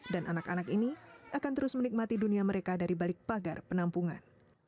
dan anak anak ini akan terus menikmati dunia mereka dari balik pagar penampungan